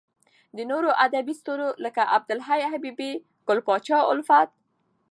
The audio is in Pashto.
د نورو ادبې ستورو لکه عبد الحی حبیبي، ګل پاچا الفت .